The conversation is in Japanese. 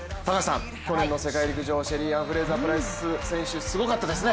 去年の世界陸上、シェリーアン・フレイザー・プライス選手、すごかったですね。